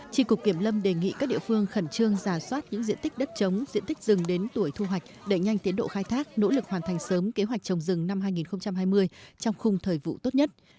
tri cục kiểm lâm đề nghị các địa phương khẩn trương giả soát những diện tích đất trống diện tích rừng đến tuổi thu hoạch đẩy nhanh tiến độ khai thác nỗ lực hoàn thành sớm kế hoạch trồng rừng năm hai nghìn hai mươi trong khung thời vụ tốt nhất